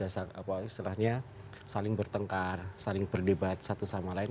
pukul pukulan saling bertengkar saling berdebat satu sama lain